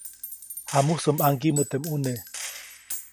Jamusä ʼmaŋgiʼmä teʼ ʼmune.